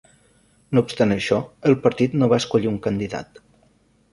No obstant això, el partit no va escollir un candidat.